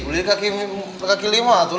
beli kaki lima tuh